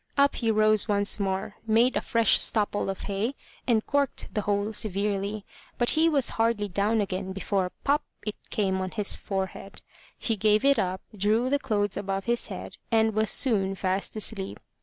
Up he rose once more, made a fresh stopple of hay, and corked the hole severely. But he was hardly down again before pop! it came on his forehead. He gave it up, drew the clothes above his head, and was soon fast asleep.